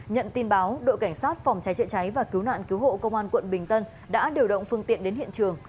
nhận tin báo đội cảnh sát phòng cháy chữa cháy và cứu nạn cứu hộ công an quận bình tân đã điều động phương tiện đến hiện trường